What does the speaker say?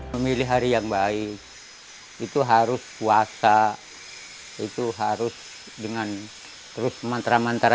memilih hari yang baik itu harus puasa itu harus dengan terus mantra mantra